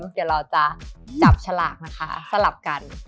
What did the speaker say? เดี๋ยวเราจะจับฉลากนะคะสลับกัน